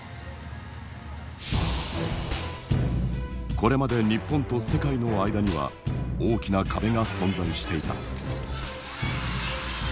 これまで日本と世界の間には大きな壁が存在していた。